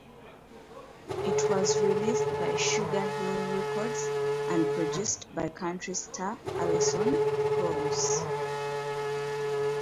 It was released by Sugar Hill Records, and produced by country star Alison Krauss.